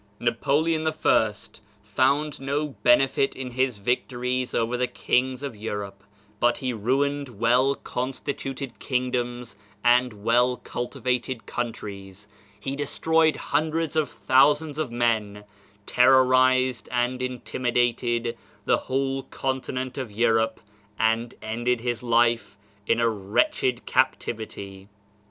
Napoleon the First found no benefit in his vic tories over the kings of Europe ; but he ruined well constituted kingdoms and well cultivated coun tries, he destroyed hundreds of thousands of men, terrorized and intimidated the whole continent of Europe, and ended his life in a wretched captivity.